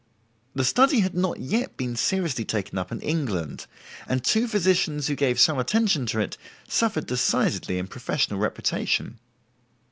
The study had not yet been seriously taken up in England, and two physicians who gave some attention to it suffered decidedly in professional reputation.